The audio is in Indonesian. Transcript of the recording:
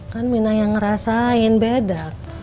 kan mina yang ngerasain beda